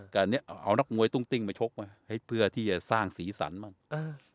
ก็เนี้ยเอานักงวยตุ้งติ้งมาชกไว้เพื่อที่จะสร้างศีรษรรณบ้างเออ